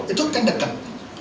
itu kan dekat